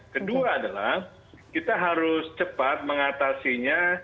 kedua adalah kita harus cepat mengatasinya